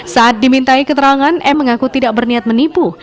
saat dimintai keterangan m mengaku tidak berniat menipu